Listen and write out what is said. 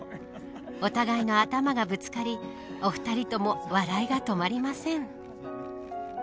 お互いの頭がぶつかりお二人とも笑いが止まりません。